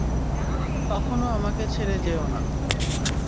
কখনো আমাকে ছেড়ে যেও না।